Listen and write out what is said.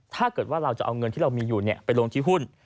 ถ้าเกิดว่าเราจะเอาเงินที่เรามีอยู่ไปลงที่หุ้น